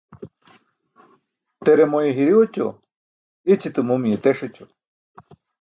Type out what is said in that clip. Tere moye hiri oćo, i̇ćite mumiye teṣ ećo.